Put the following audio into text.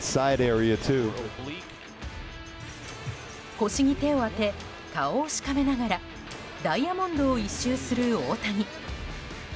腰に手を当て顔をしかめながらダイヤモンドを１周する大谷。